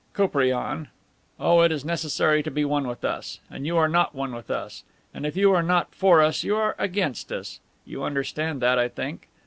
"Koupriane. Oh, it is necessary to be one with us. And you are not one with us. And if you are not for us you are against us. You understand that, I think.